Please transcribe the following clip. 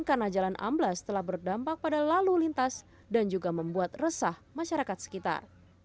karena jalan amblas telah berdampak pada lalu lintas dan juga membuat resah masyarakat sekitar